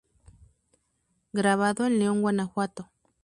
Grabado en León, Gto.